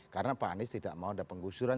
karena pak anies tidak mau ada pengusuran